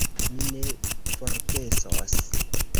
Mi ne forgesos.